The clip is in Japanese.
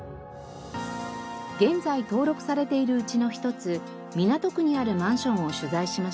現在登録されているうちの一つ港区にあるマンションを取材しました。